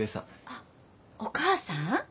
あっお母さん？